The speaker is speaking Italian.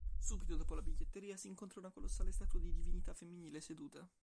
Subito dopo la biglietteria si incontra una colossale statua di divinità femminile seduta.